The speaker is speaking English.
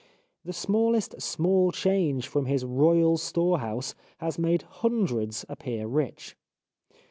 The smallest small change from his royal store house has made hundreds appear rich.